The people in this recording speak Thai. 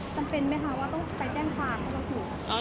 จำเป็นไหมคะว่าต้องไปแจ้งความก็ถูก